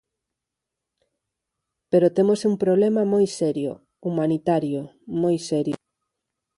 Pero temos un problema moi serio, humanitario, moi serio.